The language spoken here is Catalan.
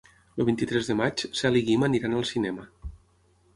El vint-i-tres de maig na Cel i en Guim iran al cinema.